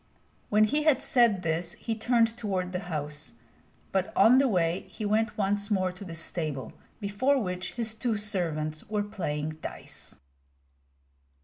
When he had said this he turned toward the house; but on the way he went once more to the stable, before which his two servants were playing dice.